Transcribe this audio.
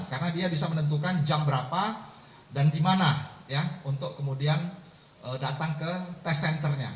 karena dia bisa menentukan jam berapa dan di mana untuk kemudian datang ke test centernya